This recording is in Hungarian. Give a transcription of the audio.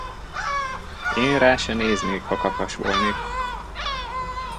Én rá se néznék, ha kakas volnék!